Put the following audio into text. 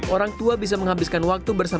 orang tua bisa menghabiskan waktu untuk berlibur